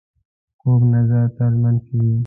کوږ نظر تل منفي وي